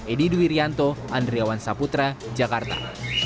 edi duwiryanto andriawan saputra jakarta